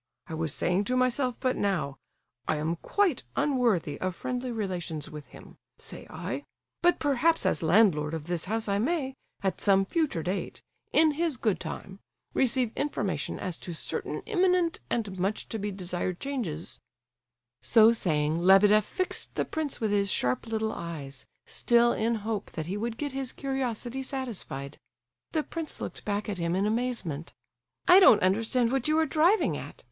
I was saying to myself but now... 'I am quite unworthy of friendly relations with him,' say I; 'but perhaps as landlord of this house I may, at some future date, in his good time, receive information as to certain imminent and much to be desired changes—'" So saying Lebedeff fixed the prince with his sharp little eyes, still in hope that he would get his curiosity satisfied. The prince looked back at him in amazement. "I don't understand what you are driving at!"